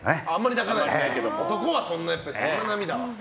男はそんな涙はと。